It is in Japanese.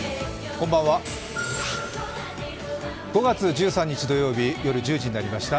こんばんは、５月１３日土曜日夜１０時になりました。